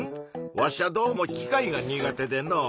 わしゃどうも機械が苦手でのう。